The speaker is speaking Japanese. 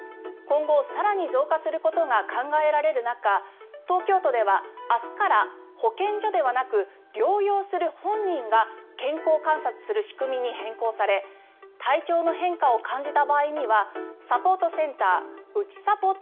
今後、更に増加することが考えられる中東京都では明日から保健所ではなく、療養する本人が健康観察する仕組みに変更され体調の変化を感じた場合にはサポートセンターうちさぽ